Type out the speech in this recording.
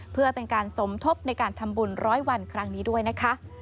เพื่อเป็นการสมทบในการทำบุญร้อยวันครั้งนี้ด้วยนะคะ